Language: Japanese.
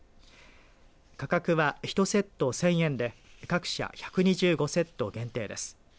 価格は１セット１０００円で各社１２５セット限定です。